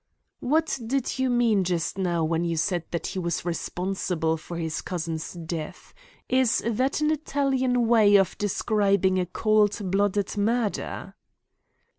"What did you mean just now when you said that he was 'responsible for his cousin's death'? Is that an Italian way of describing a cold blooded murder?"